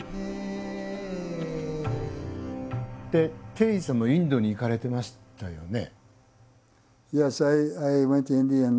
テリーさんもインドに行かれてましたよね。